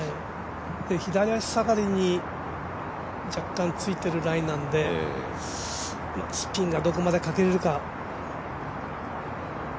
左足下がりに若干ついているラインなのでスピンがどこまでかけれるか。